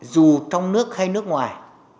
dù trong nước hay nước ngoài